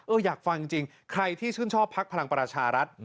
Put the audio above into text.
อยากฟังจริงใครที่ชื่นชอบพักพลังประชารัฐ